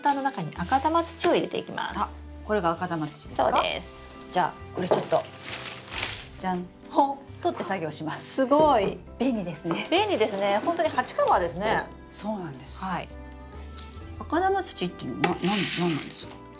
赤玉土っていうのは何なんですか？